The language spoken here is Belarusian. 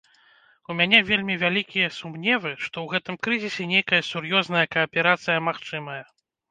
У мяне вельмі вялікія сумневы, што ў гэтым крызісе нейкая сур'ёзная кааперацыя магчымая.